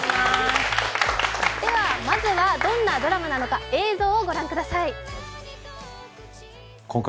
まずはどんなドラマなのか映像を御覧ください。